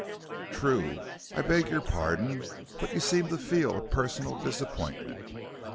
"True; I beg your pardon; but you seem to feel a personal disappointment."